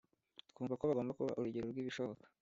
Twumva ko bagomba kuba urugero rw’ibishoboka”